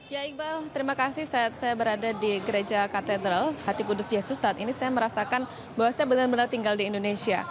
ya iqbal terima kasih saat saya berada di gereja katedral hati kudus yesus saat ini saya merasakan bahwa saya benar benar tinggal di indonesia